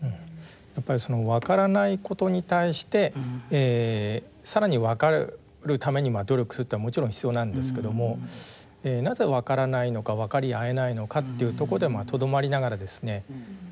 やっぱりそのわからないことに対して更にわかるために努力するっていうのはもちろん必要なんですけどもなぜわからないのかわかり合えないのかっていうとこでとどまりながらですね